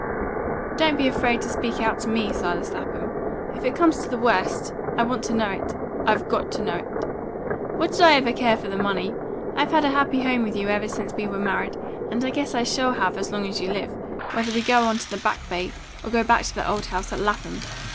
"Don't be afraid to speak out to me, Silas Lapham. If it comes to the worst, I want to know it I've got to know it. What did I ever care for the money? I've had a happy home with you ever since we were married, and I guess I shall have as long as you live, whether we go on to the Back Bay, or go back to the old house at Lapham.